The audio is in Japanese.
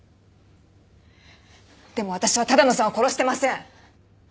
でも私は多田野さんを殺してません！